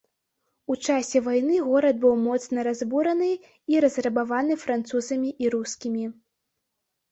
У часе вайны горад быў моцна разбураны і разрабаваны французамі і рускімі.